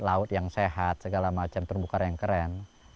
laut yang sehat segala macam terbukar yang keren